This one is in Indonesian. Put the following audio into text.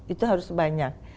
itu harus banyak